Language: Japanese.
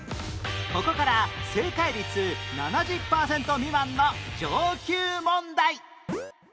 ここから正解率７０パーセント未満の上級問題